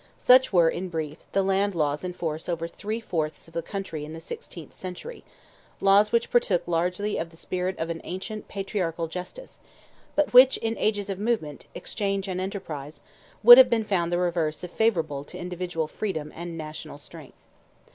Such were, in brief, the land laws in force over three fourths of the country in the sixteenth century; laws which partook largely of the spirit of an ancient patriarchal justice, but which, in ages of movement, exchange, and enterprise, would have been found the reverse of favourable to individual freedom and national strength.